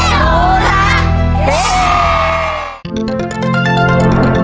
เตรียมต่อชีวิต